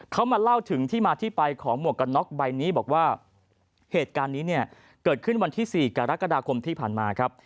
เขามาเล่าถึงที่มาที่ไปของหมวกกันน็อกใบนี้บอกว่าเหตุการณ์นี้เนี่ยเกิดขึ้นวันที่๔กรกฎาคมที่ผ่านมาครับ